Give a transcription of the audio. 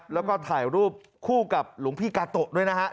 แล้วก็ถ่ายรูปคู่กับหลวงพี่กาโตะด้วยนะฮะ